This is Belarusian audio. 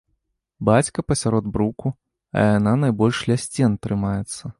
Бацька пасярод бруку, а яна найбольш ля сцен трымаецца.